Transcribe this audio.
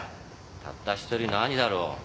たった一人の兄だろう。